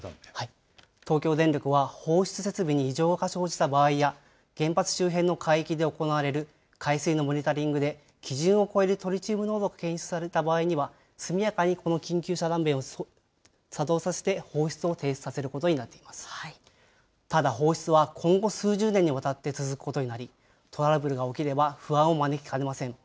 東京電力は、放出設備に異常が生じた場合や、原発周辺の海域で行われる海水のモニタリングで、基準を超えるトリチウム濃度が検出された場合には、速やかにこの緊急遮断弁を作動させて放出を停止させることになっています。ただ、放出は今後数十年にわたって続くことになり、トラブルが起きれば不安を招きかねません。